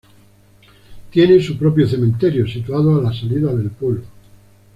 Tiene su propio cementerio, situado a la salida del pueblo.